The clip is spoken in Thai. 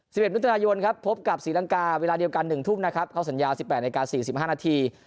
๑๑มิตรทุนายนครับพบกับศรีลังกาเวลาเดียวกัน๑ทุ่มนะครับเข้าสัญญา๑๘นาที๔๕นาที